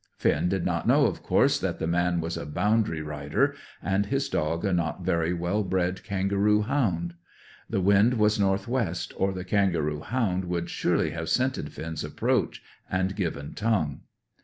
Finn did not know, of course, that the man was a boundary rider, and his dog a not very well bred kangaroo hound. The wind was north west, or the kangaroo hound would surely have scented Finn's approach and given tongue.